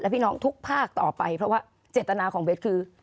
พี่น้องทุกภาคต่อไปเพราะว่าเจตนาของเบสคือ